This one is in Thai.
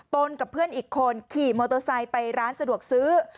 ตนกับเพื่อนอีกคนขี่มอโตซัยไปร้านสะดวกซื้อ